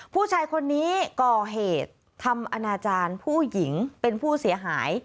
ผู้ชายคนนี้ก่อเหตุทำอนาจารย์ผู้หญิงเป็นผู้เสียหาย